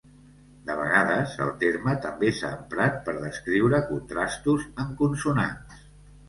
De vegades, el terme també s'ha emprat per descriure contrastos en consonants.